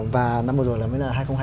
và năm vừa rồi là mới là hai nghìn hai mươi